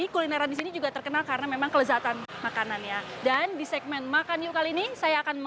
kulineran di sekitar kampus